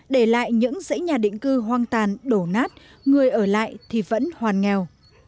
để lại những dãy nhà định cư hoang tàn đổ nát người ở lại thì vẫn hoàn nghèo